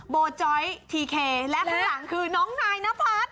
โบจอยทีเคและข้างหลังคือน้องนายนพัฒน์